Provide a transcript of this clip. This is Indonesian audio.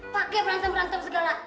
pake berantem berantem segala